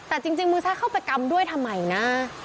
แต่จริงมือซ้ายเข้าไปกำด้วยทำไมนะ